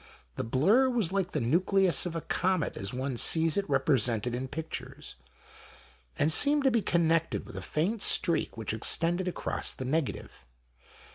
The blur was like the nucleus of a comet as one sees it represented in pictures, and seemed to be connected with a faint streak which extended across the negative.